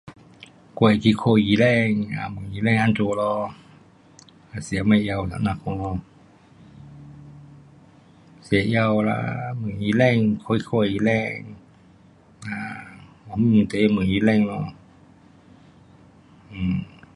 我会去看医生，um 问医生这样咯。得吃什么药这样咯。吃药啦，问医生，看看医生。um 我们得问医生咯。um